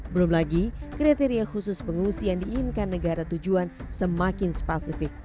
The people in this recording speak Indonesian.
belum lagi kriteria khusus pengungsi yang diinginkan negara tujuan semakin spesifik